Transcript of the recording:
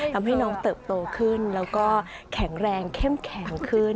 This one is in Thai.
ทำให้น้องเติบโตขึ้นแล้วก็แข็งแรงเข้มแข็งขึ้น